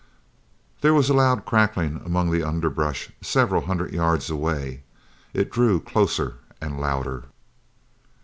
There was a loud crackling among the underbrush several hundred yards away. It drew closer and louder.